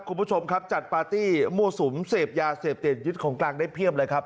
คุณผู้ชมครับจัดปาร์ตี้มั่วสุมเสพยาเสพติดยึดของกลางได้เพียบเลยครับ